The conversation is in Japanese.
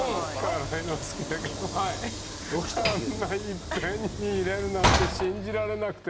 辛いの好きだけどあんないっぺんに入れるなんて信じられなくて。